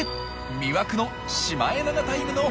魅惑のシマエナガタイムの。